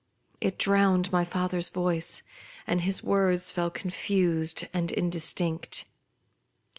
It drowned my father's voice, and his words fell confused and indistinct.